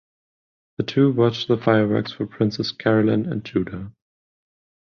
The two watch the fireworks for Princess Carolyn and Judah.